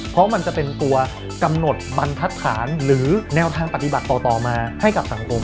เพราะมันจะเป็นตัวกำหนดบรรทัศนหรือแนวทางปฏิบัติต่อมาให้กับสังคม